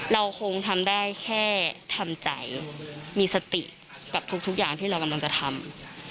เราคงทำได้แค่ทำใจมีสติกับทุกอย่างที่เรากำลังจะทำ